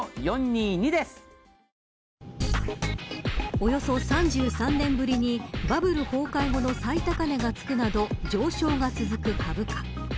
およそ３３年ぶりにバブル崩壊後の最高値がつくなど上昇が続く株価。